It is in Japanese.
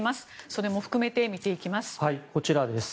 それも含めて見ていきます。